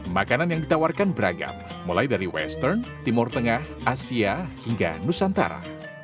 makanan yang ditawarkan beragam mulai dari western timur tengah asia hingga nusantara